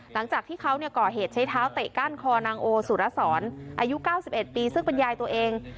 หลังจากที่เขาก่อเหตุใช้เท้าเตะก้านคอนางโอสุรสรอายุ๙๑ปีซึ่งเป็นยายตัวเอง